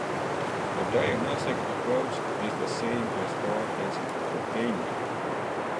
The diagnostic approach is the same as for pancytopenia.